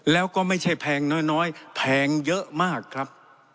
แล้วก็ไม่ใช่แพงน้อยแพงเยอะมากครับ